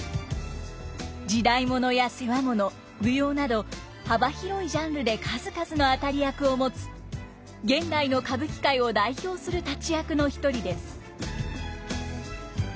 時代物や世話物舞踊など幅広いジャンルで数々の当たり役を持つ現代の歌舞伎界を代表する立役の一人です。